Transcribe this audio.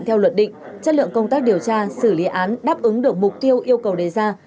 theo luật định chất lượng công tác điều tra xử lý án đáp ứng được mục tiêu yêu cầu đề ra